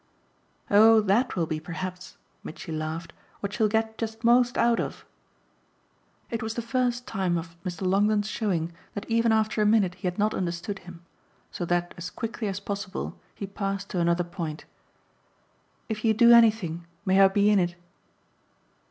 "Oh that will be perhaps," Mitchy laughed, "what she'll get just most out of!" It was the first time of Mr. Longdon's showing that even after a minute he had not understood him; so that as quickly as possible he passed to another point. "If you do anything may I be in it?"